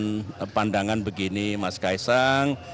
saya memberikan pandangan begini mas kaisang